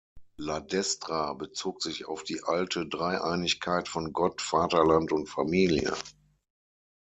La Destra bezog sich auf die alte Dreieinigkeit von Gott, Vaterland und Familie.